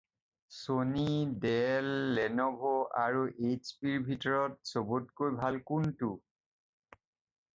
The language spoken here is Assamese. ছ'নী, ডেল, লেন'ভ' আৰু এইচপিৰ ভিতৰত চবতকৈ ভাল কোনটো?